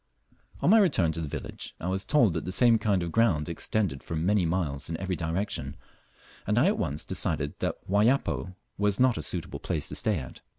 On my return to the village I was told that the same kind of ground extended for many miles in every direction, and I at once decided that Wayapo was not a suitable place to stay at.